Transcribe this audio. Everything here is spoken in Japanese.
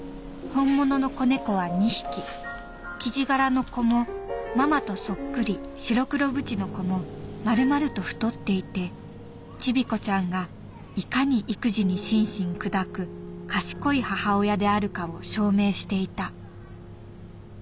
「本物の子猫は２匹キジ柄の子もママとそっくり白黒ブチの子も丸々と太っていてチビコちゃんがいかに育児に心身砕く賢い母親であるかを証明していた」。